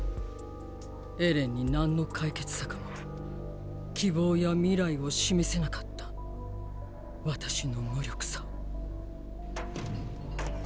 エレンに何の解決策も希望や未来を示せなかった私の無力さを。